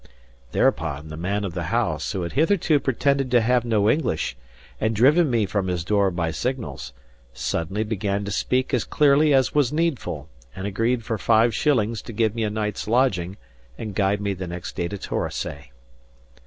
Thereupon, the man of the house, who had hitherto pretended to have no English, and driven me from his door by signals, suddenly began to speak as clearly as was needful, and agreed for five shillings to give me a night's lodging and guide me the next day to Torosay.